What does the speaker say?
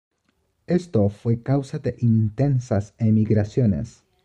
Esto fue causa de intensas emigraciones.